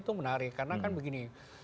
itu menarik karena kan begini